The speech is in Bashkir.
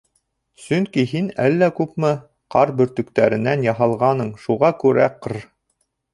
— Сөнки һин әллә күпме ҡар бөртөктәренән яһалғанһың, шуға күрә Ҡр.